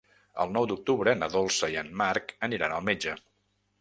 El nou d'octubre na Dolça i en Marc aniran al metge.